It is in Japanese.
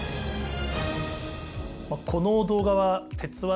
この動画は「鉄腕！